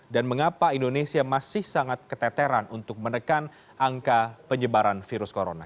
dan mengapa indonesia masih sangat keteteran untuk menekan angka penyebaran virus corona